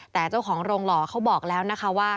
แต่เจ้าของโรงหล่อเขาบอกแล้วนะคะว่า